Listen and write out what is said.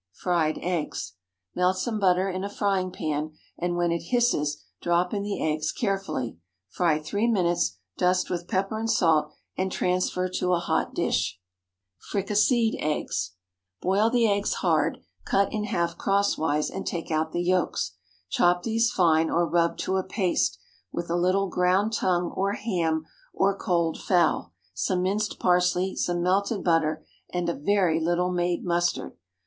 FRIED EGGS. Melt some butter in a frying pan, and when it hisses drop in the eggs carefully. Fry three minutes; dust with pepper and salt, and transfer to a hot dish. FRICASSEED EGGS. ✠ Boil the eggs hard, cut in half crosswise, and take out the yolks. Chop these fine, or rub to a paste, with a little ground tongue or ham or cold fowl, some minced parsley, some melted butter, and a very little made mustard.